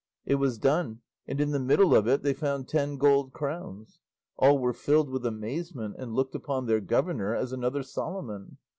It was done, and in the middle of it they found ten gold crowns. All were filled with amazement, and looked upon their governor as another Solomon.